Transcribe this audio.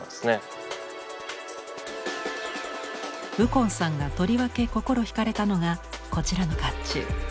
右近さんがとりわけ心惹かれたのがこちらの甲冑。